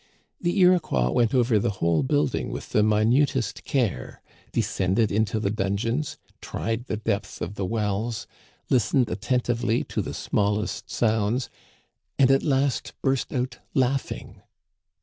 "The Iroquois went over the whole building with the minutest care, descended into the dungeons, tried the depth of the wells, listened attentively to the small est sounds, and at last burst out laughing.